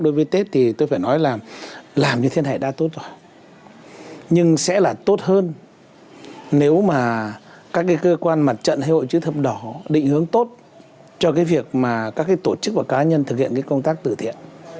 đối với tết thì tôi phải nói là làm như thế này đã tốt rồi nhưng sẽ là tốt hơn nếu mà các cái cơ quan mặt trận hay hội chữ thập đỏ định hướng tốt cho cái việc mà các cái tổ chức và cá nhân thực hiện cái công tác tử tiện